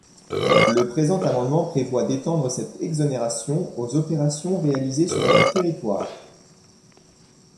Le présent amendement prévoit d’étendre cette exonération aux opérations réalisées sur notre territoire.